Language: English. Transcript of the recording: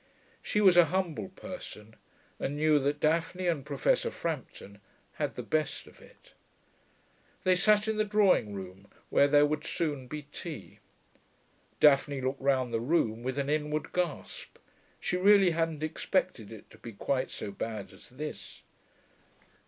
She was a humble person, and knew that Daphne and Professor Frampton had the best of it. They sat in the drawing room, where there would soon be tea. Daphne looked round the room with an inward gasp: she really hadn't expected it to be quite so bad as this.